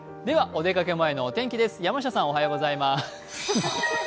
お出かけ前のお天気です。